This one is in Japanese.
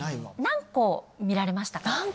何個見られましたか？